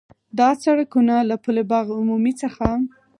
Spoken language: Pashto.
دا سړکونه له پُل باغ عمومي څخه